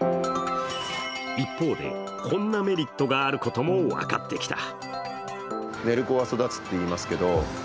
一方で、こんなメリットがあることも分かってきた。